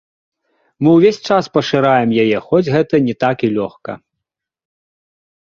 Мы ўвесь час пашыраем яе, хоць гэта не так і лёгка.